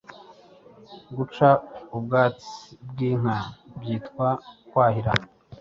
Guca ubwatsi bw’inka byitwa Kwahira